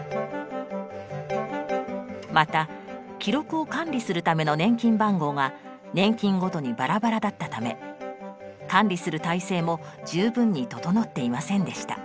また記録を管理するための年金番号が年金ごとにバラバラだったため管理する体制も十分に整っていませんでした。